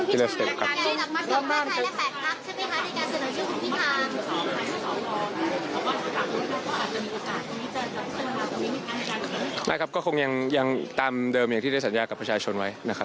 นะครับก็คงยังตามเดิมอย่างที่ได้สัญญากับประชาชนไว้นะครับ